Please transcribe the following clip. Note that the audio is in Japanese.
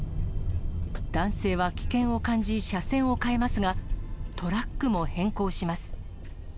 男性は危険を感じ、車線を変えますが、トラックも変更します。